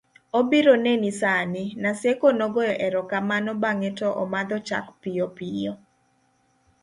obiro neni sani, Naseko nogoyo erokamano bang'e to omadho chak piyo piyo